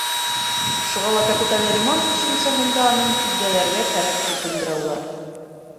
Шуға ла капиталь ремонт төшөнсәһен дә аныҡ билдәләргә кәрәк, тип белдерә улар.